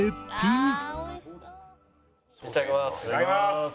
いただきます！